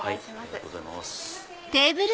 ありがとうございます。